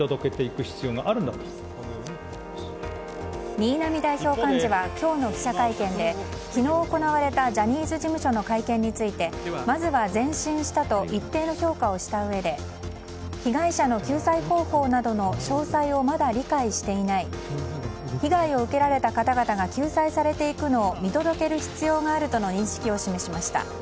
新浪代表幹事は今日の記者会見で昨日行われたジャニーズ事務所の会見についてまずは前進したと一定の評価をしたうえで被害者の救済方法などの詳細をまだ理解していない被害を受けられた方々が救済されていくのを見届ける必要があるとの認識を示しました。